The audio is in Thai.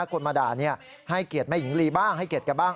คนมาด่าให้เกียรติแม่หญิงลีบ้างให้เกียรติแกบ้าง